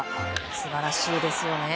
素晴らしいですよね。